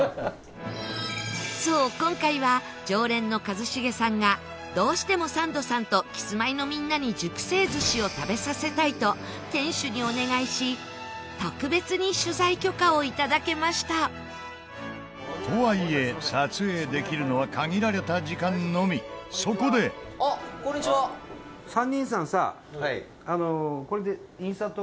そう、今回は常連の一茂さんがどうしてもサンドさんとキスマイのみんなに熟成寿司を食べさせたいと店主にお願いし特別に取材許可をいただけましたとはいえ、撮影できるのは限られた時間のみそこで伊達：３人さんさこれでインサート。